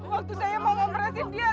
waktu saya mau ngoperasin dia